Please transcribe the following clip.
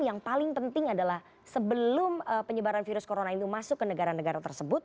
yang paling penting adalah sebelum penyebaran virus corona itu masuk ke negara negara tersebut